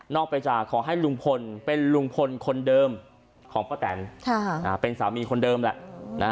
ไปจากขอให้ลุงพลเป็นลุงพลคนเดิมของป้าแตนเป็นสามีคนเดิมแหละ